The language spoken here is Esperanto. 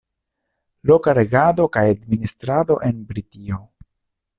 Loka regado kaj administrado en Britio.